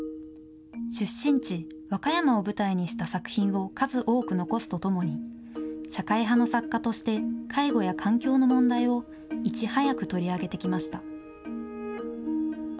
出身地、和歌山を舞台にした作品を数多く残すとともに、社会派の作家として介護や環境の問題をいち早く取り上げてきました。